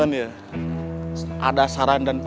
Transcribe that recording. cie mau salam lagi